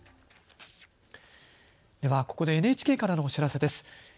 ではここでＮＨＫからのお知らせです。